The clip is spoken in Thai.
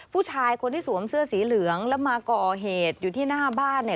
ผู้ชายคนที่สวมเสื้อสีเหลืองแล้วมาก่อเหตุอยู่ที่หน้าบ้านเนี่ย